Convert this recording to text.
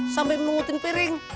sampai mengutin piring